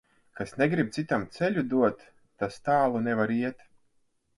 Kas negrib citam ceļu dot, tas tālu nevar iet.